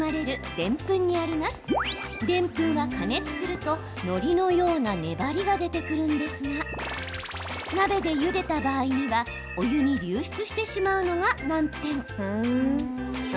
でんぷんは加熱するとのりのような粘りが出てくるんですが鍋でゆでた場合にはお湯に流出してしまうのが難点。